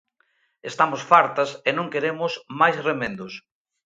Estamos fartas e non queremos máis remendos.